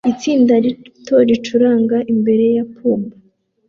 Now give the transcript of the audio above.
Itsinda rito ricuranga imbere ya pub